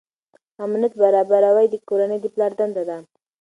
امنیت برابروي د کورنۍ د پلار دنده ده.